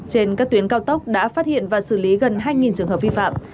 trên các tuyến cao tốc đã phát hiện và xử lý gần hai trường hợp vi phạm